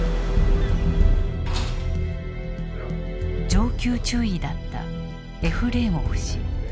上級中尉だったエフレーモフ氏。